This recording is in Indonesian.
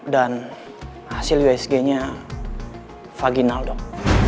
dan hasil usg nya vaginal dok